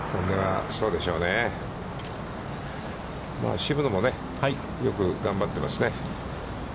渋野もね、よく頑張ってますね。